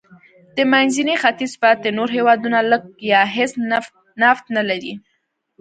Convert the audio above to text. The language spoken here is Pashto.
د منځني ختیځ پاتې نور هېوادونه لږ یا هېڅ نفت نه لري.